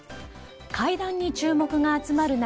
会談に注目が集まる中